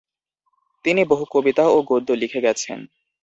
তিনি বহু কবিতা ও গদ্য লিখে গেছেন।